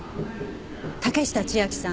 竹下千晶さん